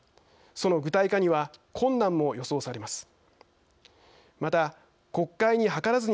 その具体化には困難も予想されます。